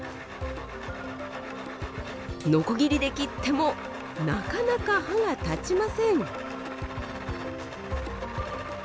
のこぎりで切ってもなかなか歯が立ちません。